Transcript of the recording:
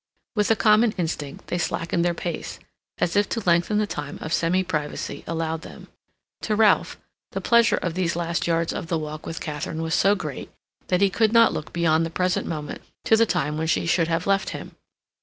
With a common instinct they slackened their pace, as if to lengthen the time of semi privacy allowed them. To Ralph, the pleasure of these last yards of the walk with Katharine was so great that he could not look beyond the present moment to the time when she should have left him.